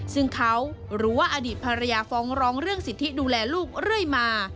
ซึ่งเขารู้ว่าอดีตภรรยาฟ้องร้องเรื่องสิทธิดูแลลูกเรื่อยมา